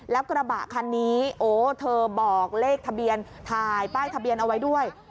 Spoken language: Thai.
แล้วกระบะคันนี้โอ้เธอบอกเลขทะเบียนถ่ายป้ายทะเบียนเอาไว้ด้วย